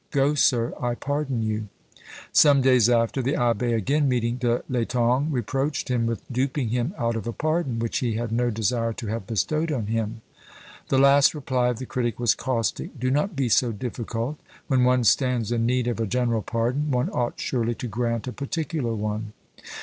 Go, sir! I pardon you." Some days after, the abbé again meeting De l'Etang, reproached him with duping him out of a pardon, which he had no desire to have bestowed on him. The last reply of the critic was caustic: "Do not be so difficult; when one stands in need of a general pardon, one ought surely to grant a particular one."